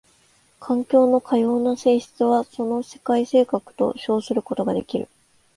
環境のかような性質はその世界性格と称することができる。